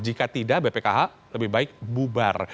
jika tidak bpkh lebih baik bubar